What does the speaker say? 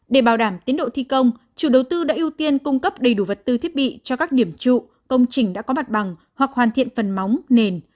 để bảo đảm tiến độ thi công chủ đầu tư đã ưu tiên cung cấp đầy đủ vật tư thiết bị cho các điểm trụ công trình đã có mặt bằng hoặc hoàn thiện phần móng nền